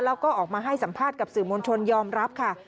แล้วก็ออกมาให้สัมภาษณ์กับสื่อมวลชนยอมรับค่ะ